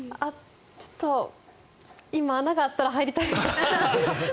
ちょっと今、穴があったら入りたい。